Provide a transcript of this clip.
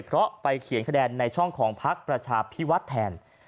เพราะไปเขียนคะแนนในช่องของพักประชาพิวัฒน์แทน